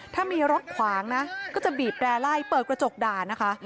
ถ้ามีล็อกขวางนะก็จะบีบตเรล่ายเปิดกระจกด่านะคะ